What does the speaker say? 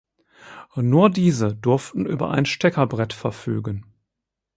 Nur diese durften über ein Steckerbrett verfügen.